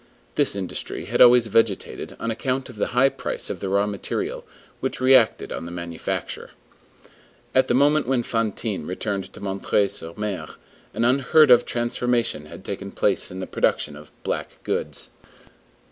This industry had always vegetated, on account of the high price of the raw material, which reacted on the manufacture. At the moment when Fantine returned to M. sur M., an unheard of transformation had taken place in the production of "black goods."